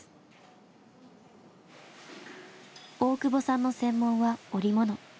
大久保さんの専門は織物。